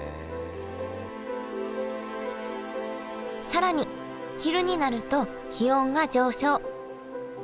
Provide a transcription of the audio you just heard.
更に昼になると気温が上昇。